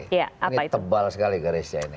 ini tebal sekali garisnya ini